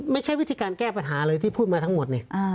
ไม่ใช่วิธีการแก้ปัญหาเลยที่พูดมาทั้งหมดนี่